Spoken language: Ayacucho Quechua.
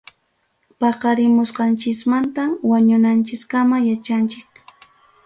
Paqarimusqanchikmantam wañunanchikkama yachanchik.